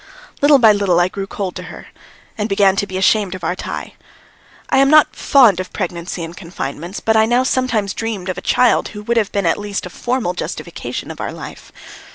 Little by little I grew cold to her and began to be ashamed of our tie. I am not fond of pregnancy and confinements, but now I sometimes dreamed of a child who would have been at least a formal justification of our life.